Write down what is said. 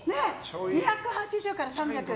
２８０から３００。